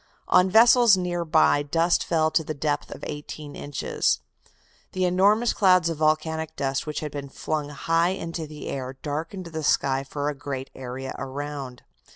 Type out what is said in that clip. On vessels near by dust fell to the depth of eighteen inches. The enormous clouds of volcanic dust which had been flung high into the air darkened the sky for a great area around.